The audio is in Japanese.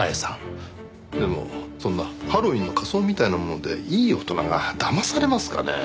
でもそんなハロウィーンの仮装みたいなものでいい大人がだまされますかねえ？